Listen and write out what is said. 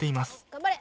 頑張れ！